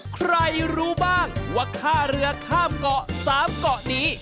ใครรู้บ้างว่าค่าเรือข้ามเกาะ๓เกาะนี้